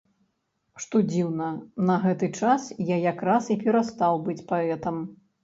Што дзіўна, на гэты час я якраз і перастаў быць паэтам.